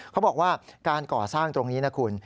เขาบอกว่าการก่อสร้างตรงนี้นะคุณ